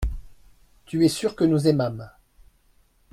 Tu es sûr que nous aimâmes.